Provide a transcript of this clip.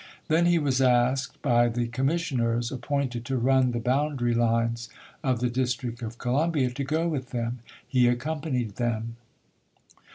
Then he was asked by the commissioners, appointed to run the boundary lines of the District of Columbia, to go with them. He accompanied them.